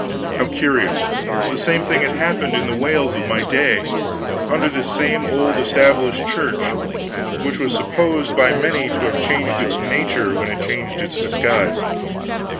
How curious. The same thing had happened in the Wales of my day, under this same old Established Church, which was supposed by many to have changed its nature when it changed its disguise.